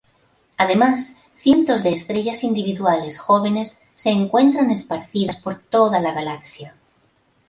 Además, cientos de estrellas individuales jóvenes se encuentran esparcidas por toda la galaxia.